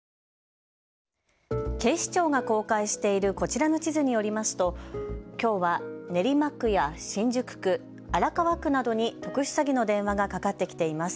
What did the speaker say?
警視庁が公開しているこちらの地図によりますときょうは練馬区や新宿区、荒川区などに特殊詐欺の電話がかかってきています。